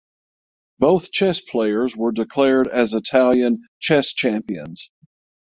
Both chess players were declared as Italian chess champions.